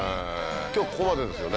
今日ここまでですよね